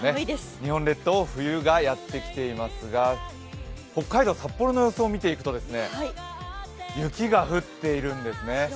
日本列島、冬がやってきていますが北海道・札幌の様子を見ていくと雪が降っているんですね。